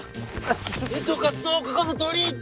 どうかどうかこのとおり！